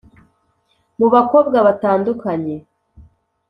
mu bakobwa batandukanye,